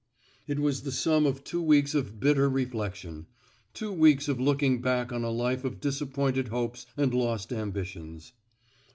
It was the sum of two weeks of bitter reflection — two weeks of looking back on a life of disap pointed hopes and lost ambitions.